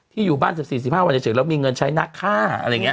ที่อยู่บ้าน๑๔๑๕วันเหมือนมีเงินใช้นักค่า